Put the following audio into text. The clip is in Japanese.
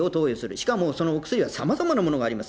しかもそのお薬はさまざまなものがあります。